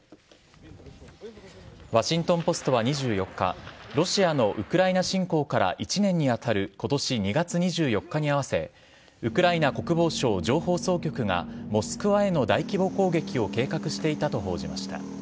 ワシントン・ポストは２４日、ロシアのウクライナ侵攻から１年に当たることし２月２４日に合わせ、ウクライナ国防省情報総局がモスクワへの大規模攻撃を計画していたと報じました。